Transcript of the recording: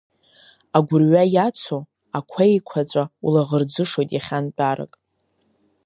Агәырҩа иацу, ақәа еиқәаҵәа, улаӷырӡышоит иахьантәарак.